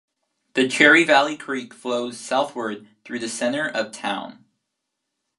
The Cherry Valley Creek flows southward through the center of the town.